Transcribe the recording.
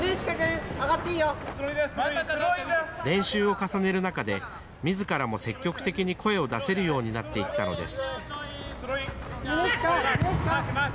練習を重ねる中で、みずからも積極的に声を出せるようになっていったのです。